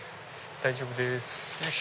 大丈夫です。